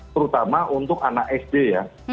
terutama untuk anak sd ya